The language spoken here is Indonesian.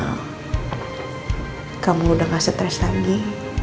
kalau kamu udah gak stres lagi